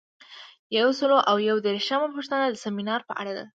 یو سل او یو دیرشمه پوښتنه د سمینار په اړه ده.